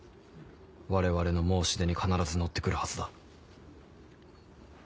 我々の申し出に必ず乗って来るはずだ。